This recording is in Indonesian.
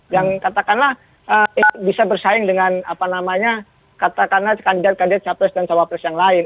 yang katakanlah bisa bersaing dengan apa namanya katakanlah kandidat kandidat capres dan cawapres yang lain